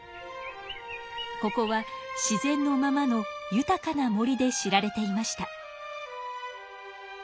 ここは自然のままの豊かな森で知られていました。